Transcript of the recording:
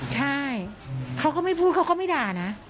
ใช่เขาก็ไม่พูดเขาก็ไม่ด่านะ